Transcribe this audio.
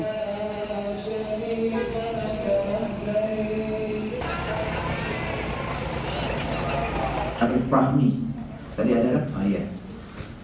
petugas penyelenggara ibadah haji arab saudi